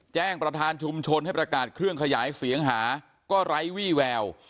แจ้งประธานชุมชนให้ประกาศเครื่องขยายเสียงหาก็ไร้วี่แวว